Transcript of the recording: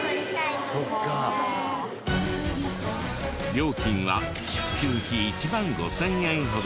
料金は月々１万５０００円ほど。